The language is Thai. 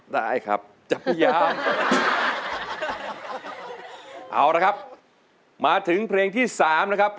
ได้ครับจะพยายาม